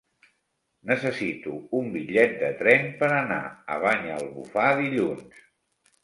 Necessito un bitllet de tren per anar a Banyalbufar dilluns.